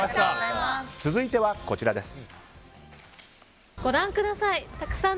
続いてはこちらです。